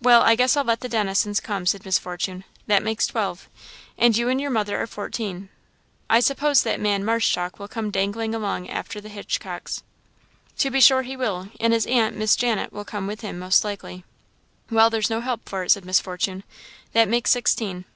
"Well, I guess I'll let the Dennisons come," said Miss Fortune; "that makes twelve and you and your mother are fourteen. I suppose that man Marshchalk will come dangling along after the Hitchcocks." "To be sure he will; and his aunt, Miss Janet, will come with him, most likely." "Well there's no help for it," said Miss Fortune. "That makes sixteen."